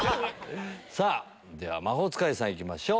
では魔法使いさん行きましょう。